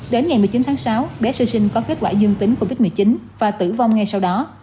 đến ngày một mươi chín tháng sáu bé sơ sinh có kết quả dương tính covid một mươi chín và tử vong ngay sau đó